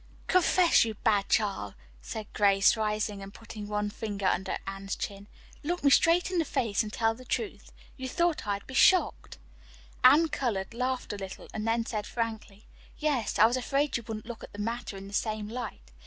"Confess, you bad child," said Grace, rising and putting one finger under Anne's chin. "Look me straight in the face and tell the truth. You thought I'd be shocked." Anne colored, laughed a little and then said frankly, "Yes, I was afraid you wouldn't look at the matter in the same light.